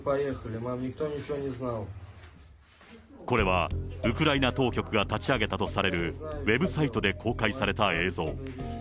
これは、ウクライナ当局が立ち上げたとされるウェブサイトで公開された映像。